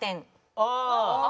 ああ。